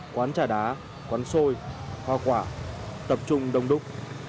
quán trà đá quán xôi hoa quả tập trung đông đúc